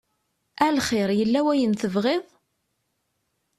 A lxir yella wayen tebɣiḍ?